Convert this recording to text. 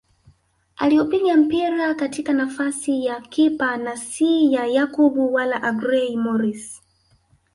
Aliupiga mpira katika nafasi ya kipa na si ya Yakub wala Agrey Moris